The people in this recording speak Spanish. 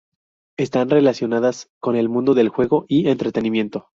Están relacionadas con el mundo del juego y entretenimiento.